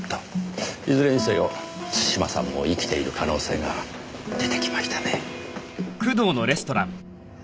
いずれにせよ津島さんも生きている可能性が出てきましたねえ。